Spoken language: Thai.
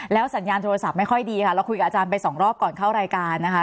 สัญญาณโทรศัพท์ไม่ค่อยดีค่ะเราคุยกับอาจารย์ไปสองรอบก่อนเข้ารายการนะคะ